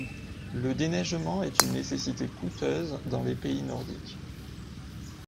Le déneigement est une nécessité coûteuse dans les pays nordiques.